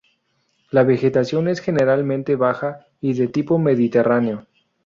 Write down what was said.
La vegetación es generalmente baja y de tipo mediterráneo.